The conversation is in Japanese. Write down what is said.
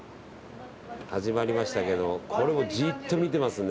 始まりましたけどこれもジっと見てますね。